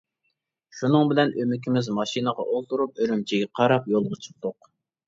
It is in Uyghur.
شۇنىڭ بىلەن ئۆمىكىمىز ماشىنىغا ئولتۇرۇپ ئۈرۈمچىگە قاراپ يولغا چىقتۇق.